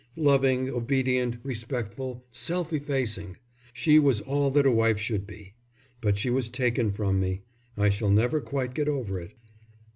Loving, obedient, respectful, self effacing! She was all that a wife should be. But she was taken from me. I shall never quite get over it."